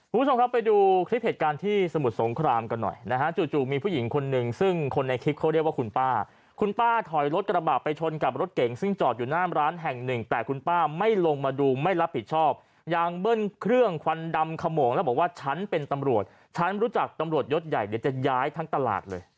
คุณผู้ชมครับไปดูคลิปเหตุการณ์ที่สมุทรสงครามกันหน่อยนะฮะจู่มีผู้หญิงคนหนึ่งซึ่งคนในคลิปเขาเรียกว่าคุณป้าคุณป้าถอยรถกระบะไปชนกับรถเก่งซึ่งจอดอยู่หน้าร้านแห่งหนึ่งแต่คุณป้าไม่ลงมาดูไม่รับผิดชอบยางเบิ้ลเครื่องควันดำขโมงแล้วบอกว่าฉันเป็นตำรวจฉันรู้จักตำรวจยศใหญ่เดี๋ยวจะย้ายทั้งตลาดเลย